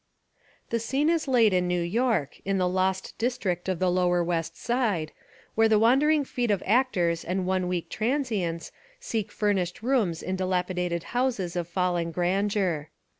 The scene is laid in New York, in the lost district of the lower West Side, where the wan dering feet of actors and one week transients seek furnished rooms in dilapidated houses of fallen grandeur.